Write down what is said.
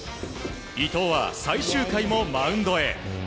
伊藤は最終回もマウンドへ。